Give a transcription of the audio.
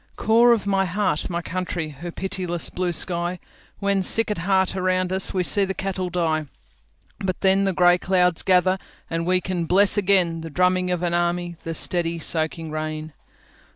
Core of my heart, my country! Her pitiless blue sky, When sick at heart, around us, We see the cattle die—But then the grey clouds gather, And we can bless againThe drumming of an army, The steady, soaking rain.